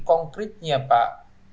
kira kira gimana strategi